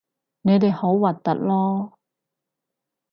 你哋好核突囉